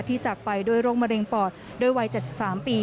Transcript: จากไปด้วยโรคมะเร็งปอดด้วยวัย๗๓ปี